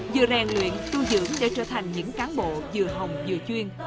dựa rèn luyện tu dưỡng để trở thành những cán bộ dựa hồng dựa chuyên